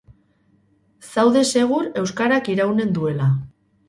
Zaude segur euskarak iraunen duela.